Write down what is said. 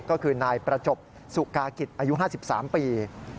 ก็คือนายประจบสุกากิจอายุ๕๓ปี